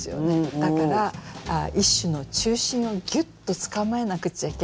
だから一首の中心をギュッとつかまえなくちゃいけないんですけど。